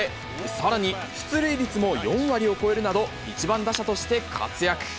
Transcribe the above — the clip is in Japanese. さらに出塁率も４割を超えるなど、１番打者として活躍。